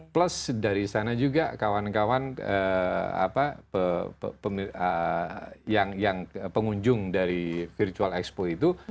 plus dari sana juga kawan kawan yang pengunjung dari virtual expo itu